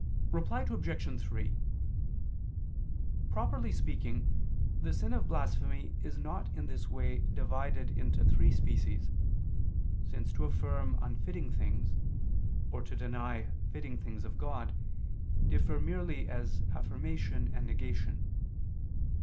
Reply Obj. 3: Properly speaking, the sin of blasphemy is not in this way divided into three species: since to affirm unfitting things, or to deny fitting things of God, differ merely as affirmation and negation.